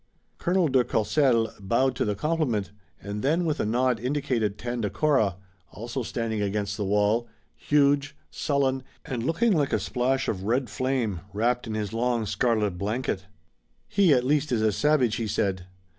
Colonel de Courcelles bowed to the compliment, and then with a nod indicated Tandakora, also standing against the wall, huge, sullen and looking like a splash of red flame, wrapped in his long scarlet blanket. "He, at least, is a savage," he said.